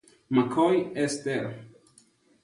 McCoy, Esther.